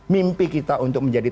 mimpi kita untuk menjadi